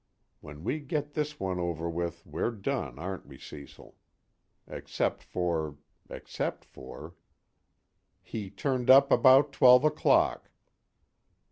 When we get this one over with we're done, aren't we, Cecil? Except for except for "He turned up about twelve o'clock."